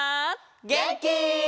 げんき？